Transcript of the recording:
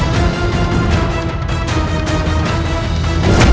sampai jumpa diseasesmu